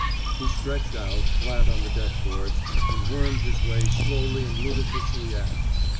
He stretched out, flat on the deck boards, and wormed his way slowly and ludicrously aft.